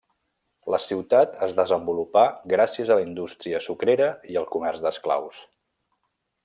La ciutat es desenvolupà gràcies a la indústria sucrera i el comerç d'esclaus.